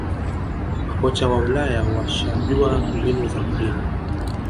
makocha wa ulaya washajua mbinu za mourinho